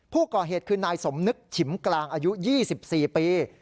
ผู้ก่อเหตุคือนายสมนึกฉิมกลางอายุ๒๔ปี